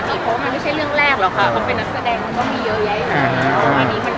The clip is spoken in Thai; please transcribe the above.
ที่ทำให้เรารู้สึกว่ามันมีแงลบ